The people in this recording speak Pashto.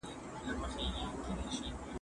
پښتو ژبه د زړه په مینه وپالئ.